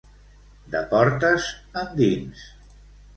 De portes endins.